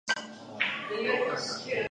郭坚出生于一个贫苦的农民家庭。